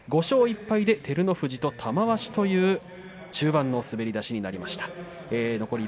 ５勝１敗で照ノ富士と玉鷲という中盤の滑り出しとなりました。